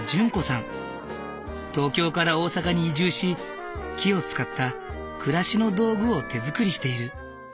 東京から大阪に移住し木を使った暮らしの道具を手作りしている。